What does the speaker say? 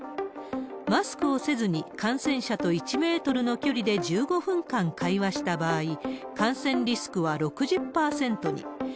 マスクをせずに感染者と１メートルの距離で１５分間会話した場合、感染リスクは６０％に。